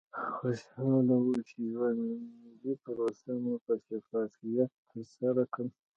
خوشحاله وو چې یوه ملي پروسه مو په شفافیت ترسره کړه.